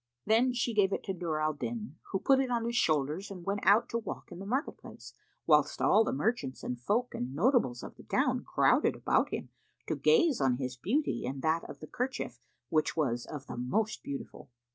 Then she gave it to Nur al Din, who put it on his shoulders and went out to walk in the market place, whilst all the merchants and folk and notables of the town crowded about him, to gaze on his beauty and that of the kerchief which was of the most beautiful.